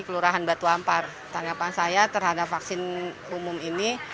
kelurahan batu ampar tanggapan saya terhadap vaksin umum ini